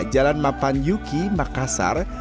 jalan mapan yuki makassar